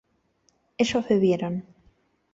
ellos bebieron